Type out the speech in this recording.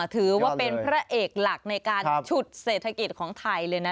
ถือว่าเป็นพระเอกหลักในการฉุดเศรษฐกิจของไทยเลยนะ